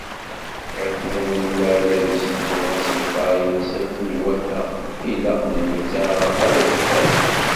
Akken anelmad ad iseddu asenfar-ines akken iwata, ilaq d netta ara t-ifernen.